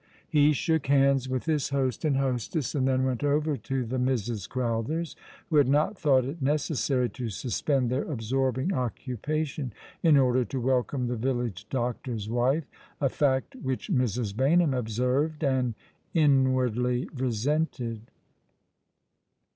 He shook hands vrith his host and hostess, ''Lies Nothing buried long ago?'' 119 and then went OYcr to the Misses Crowther, who had not thought it necessary to suspend their absorbing occupation in order to welcome the village doctor's wife — a fact which Mrs. Baynham observed and inwardly resented.